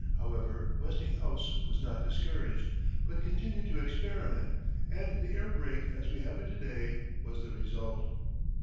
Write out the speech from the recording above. However, Westinghouse was not discouraged, but continued to experiment, and the air brake as we have it to day was the result.